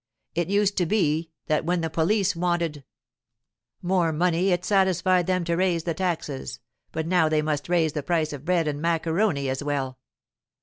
It used to be that when the police wanted more money it satisfied them to raise the taxes, but now they must raise the price of bread and macaroni as well.